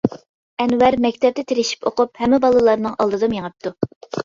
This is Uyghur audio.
ئەنۋەر مەكتەپتە تىرىشىپ ئوقۇپ ھەممە بالىلارنىڭ ئالدىدا مېڭىپتۇ.